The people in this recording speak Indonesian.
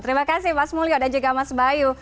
terima kasih mas mulyo dan juga mas bayu